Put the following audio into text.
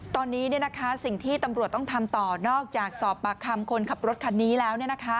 ตอนนี้สิ่งที่ตำรวจต้องทำต่อนอกจากสอบปากคำคนขับรถคันนี้แล้ว